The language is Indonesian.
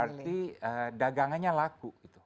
berarti dagangannya laku